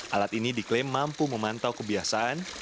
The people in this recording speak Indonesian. alat ini diklaim mampu memantau kebiasaan